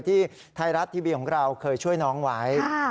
ที่ไทยรัฐทีวีของเราเคยช่วยน้องไว้